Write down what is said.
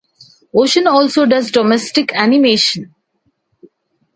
Ocean also does domestic animation.